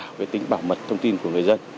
sẽ đảm bảo cái tính bảo mật thông tin của người dân